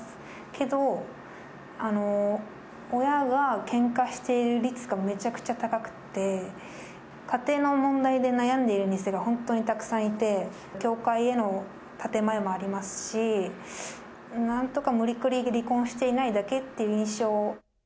けど、親がけんかしている率がめちゃくちゃ高くて、家庭の問題で悩んでいる２世が本当にたくさんいて、教会への建て前もありますし、なんとか無理くり離婚していないだけっていう印象。